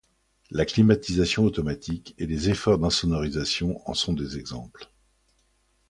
La climatisation automatique et les efforts d’insonorisation en sont des exemples.